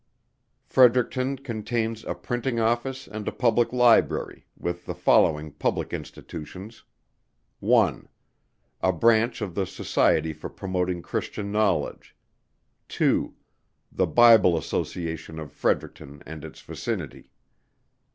Fredericton contains a Printing Office and a Public Library, with the following public Institutions. 1. A Branch of the Society for Promoting Christian Knowledge. 2. The Bible Association of Fredericton and its vicinity.